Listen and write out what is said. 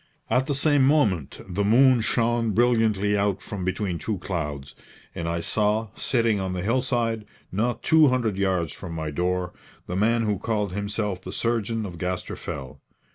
At the same moment the moon shone brilliantly out from between two clouds, and I saw, sitting on the hillside, not two hundred yards from my door, the man who called himself the surgeon of Gaster Fell.